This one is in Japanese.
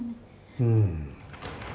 うん。